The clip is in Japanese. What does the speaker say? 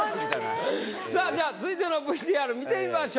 さぁじゃあ続いてのＶＴＲ見てみましょう。